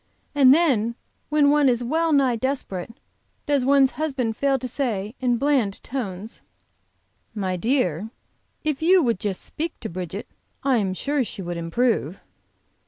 And then when one is well nigh desperate, does one's husband fail to say, in bland tones: "My dear, if you would just speak to Bridget, I am sure she would improve."